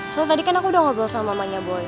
soal tadi kan aku udah ngobrol sama mamanya boy